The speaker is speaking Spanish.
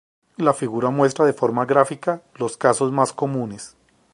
La figura muestra de forma gráfica los casos más comunes.